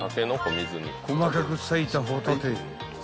［細かく裂いたホタテ］